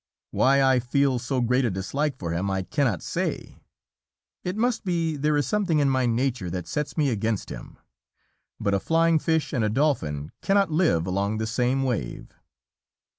Why I feel so great a dislike for him I cannot say, it must be there is something in my nature that sets me against him, but a flying fish and a Dolphin cannot live along the same wave.